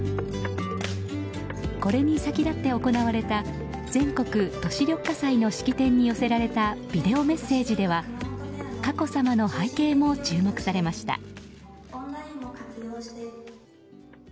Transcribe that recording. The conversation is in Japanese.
これに先立って行われた全国都市緑化祭の式典に寄せられたビデオメッセージでは佳子さまの背景も注目されました。